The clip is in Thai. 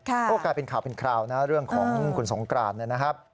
ก็กลายเป็นข่าวเป็นคราวนะเรื่องของคุณสงกรานนะครับ